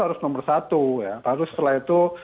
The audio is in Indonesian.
harus nomor satu ya baru setelah itu